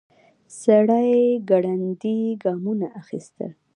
سړی ګړندي ګامونه اخيستل.